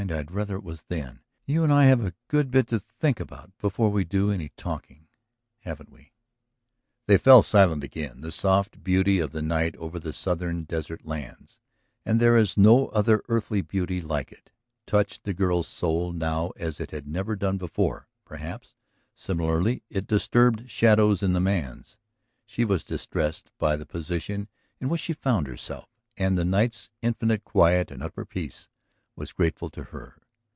I'd rather it was then. You and I have a good bit to think about before we do any talking. Haven't we?" They fell silent again. The soft beauty of the night over the southern desert lands ... and there is no other earthly beauty like it ... touched the girl's soul now as it had never done before; perhaps, similarly, it disturbed shadows in the man's. She was distressed by the position in which she found herself, and the night's infinite quiet and utter peace was grateful to her.